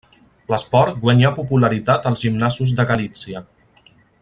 L'esport guanyà popularitat als gimnasos de Galítsia.